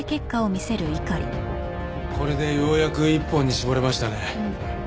これでようやく一本に絞れましたね。